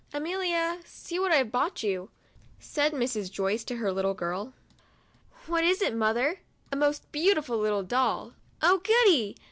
Amelia see what I have brought you," said Mrs. Joyce^Jher little girl. " What is it nWther I "« A most beautiful little doll." " Oh, goody